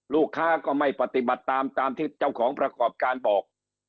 ลูกค้าก็ไม่ปฏิบัติตามตามที่เจ้าของประกอบการบอก